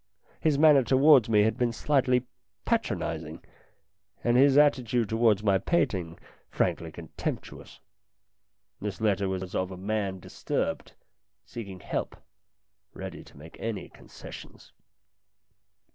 His manner towards me had been slightly patron izing, and his attitude towards my painting frankly contemptuous. This letter was of a man disturbed, seeking help, ready to make any concessions.